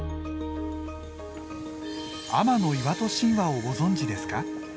天岩戸神話をご存じですか？